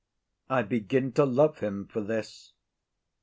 I begin to love him for this.